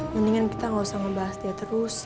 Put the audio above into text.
mendingan kita gak usah ngebahas dia terus